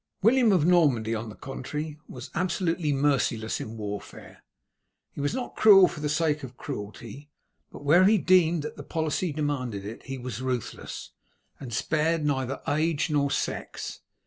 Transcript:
William of Normandy, on the contrary, was absolutely merciless in warfare. He was not cruel for the sake of cruelty, but where he deemed that the policy demanded it, he was ruthless, and spared neither age nor sex.